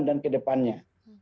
dan ke depannya